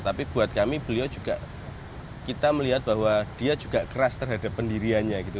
tapi buat kami beliau juga kita melihat bahwa dia juga keras terhadap pendiriannya gitu